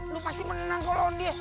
lo pasti menang kalau lawan dia